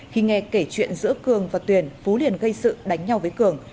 khi nghe kể chuyện giữa cường và tuyền phú liền gây sự đánh nhau với cường